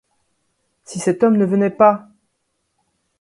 Si cet homme ne venait pas !